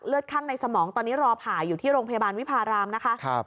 ข้างในสมองตอนนี้รอผ่าอยู่ที่โรงพยาบาลวิพารามนะคะ